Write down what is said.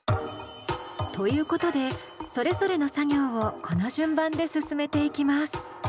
ということでそれぞれの作業をこの順番で進めていきます。